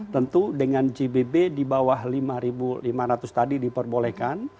tentu dengan jbb di bawah lima lima ratus tadi diperbolehkan